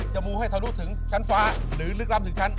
มูให้ทะลุถึงชั้นฟ้าหรือลึกล้ำถึงชั้น